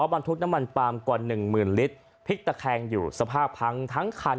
บรรทุกน้ำมันปลามกว่าหนึ่งหมื่นลิตรพลิกตะแคงอยู่สภาพพังทั้งคัน